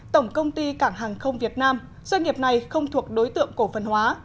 tổng công ty cảng hàng không việt nam doanh nghiệp này không thuộc đối tượng cổ phần hóa